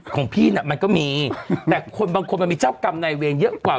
ของพี่น่ะมันก็มีแต่คนบางคนมันมีเจ้ากรรมนายเวรเยอะกว่า